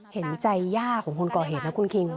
เห็นใจย่าของคนก่อเหตุนะคุณคิง